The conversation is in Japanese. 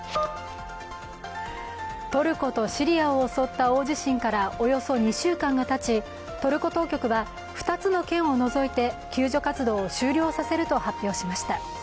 トルコとシリアを襲った大地震からおよそ２週間がたちトルコ当局は２つの県をのぞいて救助活動を終了させると発表しました。